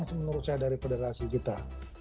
itu yang kurang menurut saya dari federasi kita